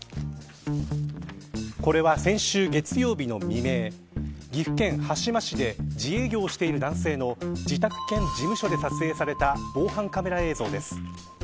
これは先週、月曜日の未明岐阜県羽島市で自営業をしている男性の自宅兼事務所で撮影された防犯カメラ映像です。